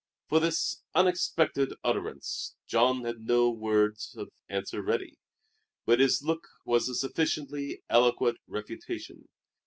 For this unexpected utterance Jean had no words of answer ready, but his look was a sufficiently eloquent refutation.